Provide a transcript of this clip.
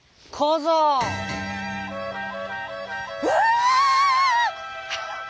「うわ！」。